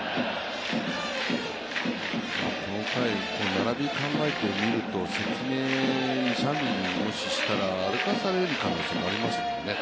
この回、並びを考えてみると関根でもし二・三塁としたら歩かされる可能性がありますよね。